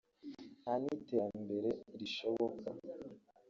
nta n’iterambere rishoboka